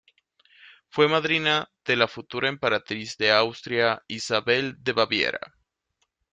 Fue madrina de la futura emperatriz de Austria Isabel de Baviera.